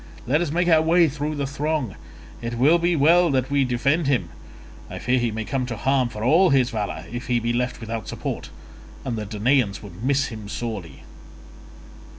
Let us make our way through the throng; it will be well that we defend him; I fear he may come to harm for all his valour if he be left without support, and the Danaans would miss him sorely."